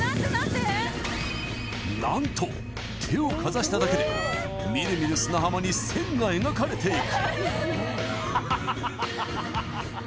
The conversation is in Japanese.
何と手をかざしただけでみるみる砂浜に線が描かれていく！